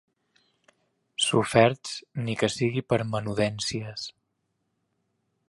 Soferts, ni que sigui per menudències.